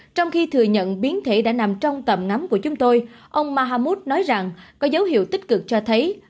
trong khi thừa nhận biến thể đã nằm trong tầm ngắm của chúng tôi ông mahammut nói rằng có dấu hiệu tích cực cho thấy